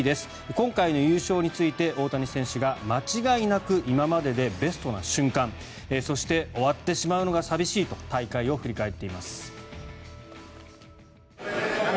今回の優勝について大谷選手が間違いなく今まででベストな瞬間そして終わってしまうのが寂しいと大会を振り返っています。